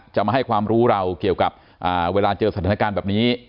จะมาให้ความรู้เราเกี่ยวกับเวลาเจอสถานการณ์แบบนี้